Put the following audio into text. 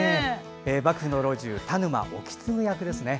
幕府の老中田沼意次役ですね。